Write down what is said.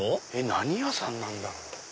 何屋さんなんだろう？